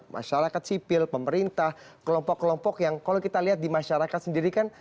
masyarakat sipil pemerintah kelompok kelompok yang kalau kita lihat di masyarakat sendiri kan